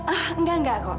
ah enggak enggak kok